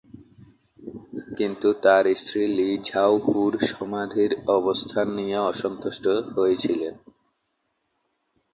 কিন্তু তার স্ত্রী লি ঝাও হু’র সমাধির অবস্থান নিয়ে অসন্তুষ্ট হয়েছিলেন।